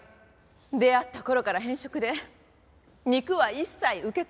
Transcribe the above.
出会った頃から偏食で肉は一切受け付けない人でしたから。